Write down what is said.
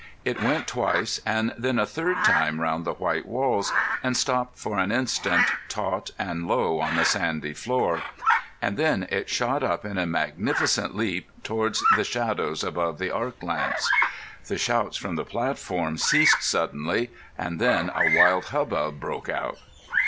It went twice, and then a third time, round the white walls, and stopped for an instant, taut and low on the sandy floor. And then it shot up in a magnificent leap towards the shadows above the arc lamps. The shouts from the platform ceased suddenly, and then a wild hubbub broke out.